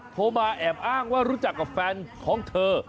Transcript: โทรมาแอบอ้างว่ารู้จักกับแฟนของเธอ